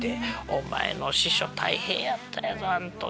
「お前の師匠大変やったんやぞあん時！